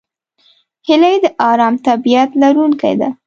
هیلۍ د آرام طبیعت لرونکې ده